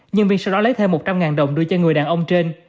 nhân viên sau đó lấy thêm một trăm linh đồng đưa cho người đàn ông trên